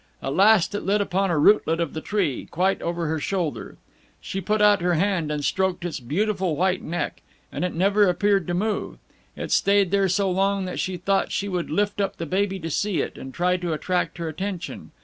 At last it lit upon a rootlet of the tree, quite over her shoulder. She put out her hand and stroked its beautiful white neck, and it never appeared to move. It stayed there so long that she thought she would lift up the baby to see it, and try to attract her attention.